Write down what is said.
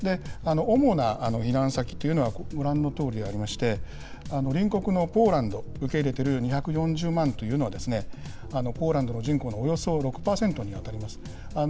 主な避難先というのは、ご覧のとおりでありまして、隣国のポーランド、受け入れている２４０万というのは、ポーランドの人口のおよそ６％に当たります。